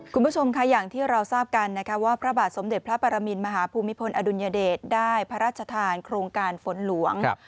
คุณผู้ชมค่ะอย่างที่เราทราบกันนะคะว่าพระบาทสมเด็จพระปรมินมหาภูมิพลอดุลยเดชได้พระราชทานโครงการฝนหลวง